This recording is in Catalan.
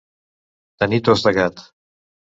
Tenir tos de gat.